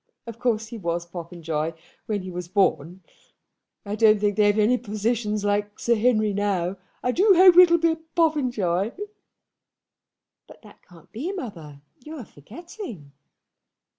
Of course he was Popenjoy when he was born. I don't think they've any physicians like Sir Henry now. I do hope it'll be a Popenjoy." "But that can't be, mother. You are forgetting."